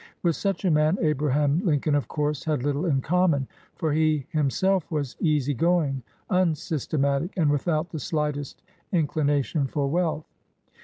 With such a man Abraham Lin coln, of course, had little in common ; for he him self was easy going, unsystematic, and without the slightest inclination for wealth.